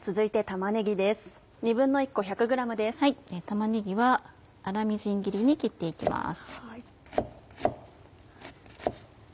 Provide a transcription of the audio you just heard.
玉ねぎは粗みじん切りに切って行きます。